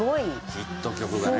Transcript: ヒット曲がね。